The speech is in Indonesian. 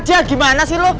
gitu aja gimana sih lu